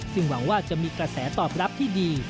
ซึ่งหวังว่าจะมีกระแสตอบรับที่ดี